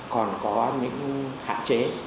còn có những hạn chế